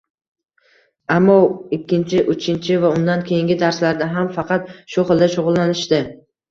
Ammo ikkinchi, uchinchi va undan keyingi darslarda ham faqat shu xilda shugʻullanishdi